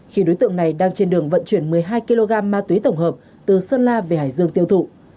khi đối tượng này đang trên đường vận chuyển một mươi hai kg ma túy tổng hợp từ sơn la về hải dương tiêu thụ